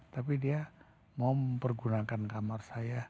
tapi dia mau mempergunakan kamar saya